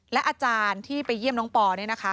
และอาจารย์ที่ไปเยี่ยมน้องปอเนี่ยนะคะ